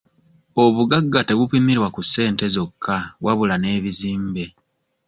Obugagga tebupimirwa ku ssente zokka wabula n'ebizimbe.